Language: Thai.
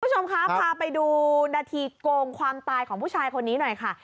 คุณผู้ชมคะพาไปดูนาทีโกงความตายของผู้ชายคนนี้หน่อยค่ะ